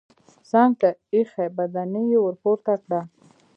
څنګ ته ايښی بدنۍ يې ورپورته کړه.